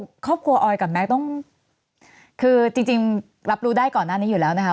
คือครอบครัวออยกับแม็กซ์ต้องคือจริงรับรู้ได้ก่อนหน้านี้อยู่แล้วนะคะ